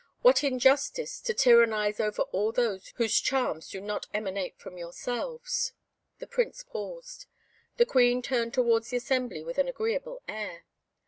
What injustice, to tyrannize over all those whose charms do not emanate from yourselves." The Prince paused: the Queen turned towards the assembly with an agreeable air.